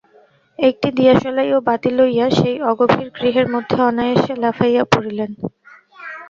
একটি দিয়াশলাই ও বাতি লইয়া সেই অগভীর গৃহের মধ্যে অনায়াসে লাফাইয়া পড়িলেন।